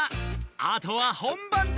あとは本番だ！